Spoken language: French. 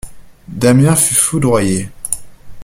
Damiens fut foudroyé.